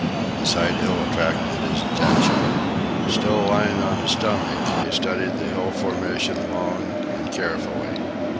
The side hill attracted his attention. Still lying on his stomach, he studied the hill formation long and carefully.